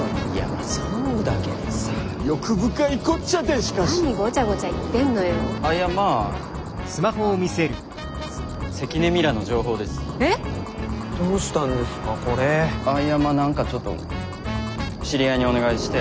あぁいやまあ何かちょっと知り合いにお願いして。